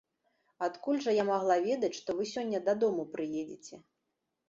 Адкуль жа я магла ведаць, што вы сёння дадому прыедзеце.